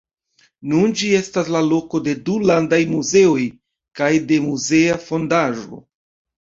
Nun ĝi estas la loko de du landaj muzeoj, kaj de muzea fondaĵo.